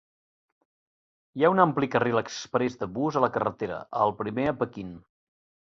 Hi ha un ampli carril exprés de bus a la carretera, el primer a Pequin.